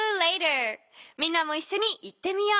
みんなもいっしょに言ってみよう。